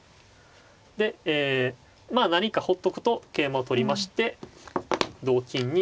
でえまあ何かほっとくと桂馬を取りまして同金に。